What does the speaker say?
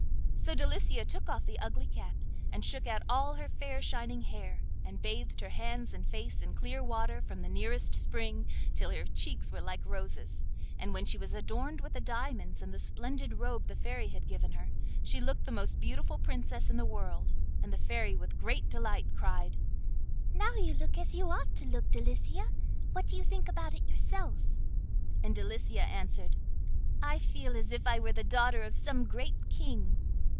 So Delicia took off the ugly cap, and shook out all her fair shining hair, and bathed her hands and face in clear water from the nearest spring till her cheeks were like roses, and when she was adorned with the diamonds and the splendid robe the Fairy had given her, she looked the most beautiful Princess in the world, and the Fairy with great delight cried: 'Now you look as you ought to look, Delicia: what do you think about it yourself?' And Delicia answered: 'I feel as if I were the daughter of some great king.